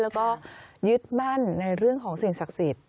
แล้วก็ยึดมั่นในเรื่องของสิ่งศักดิ์สิทธิ์